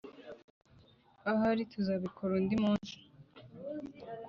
ahari tuzabikora undi munsi"